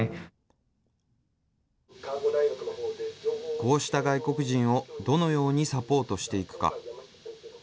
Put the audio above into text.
こうした外国人をどのようにサポートしていくか。